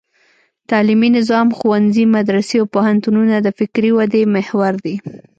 تعلیمي نظام: ښوونځي، مدرسې او پوهنتونونه د فکري ودې محور دي.